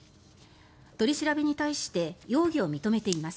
取り調べに対して容疑を認めています。